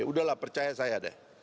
udahlah percaya saya deh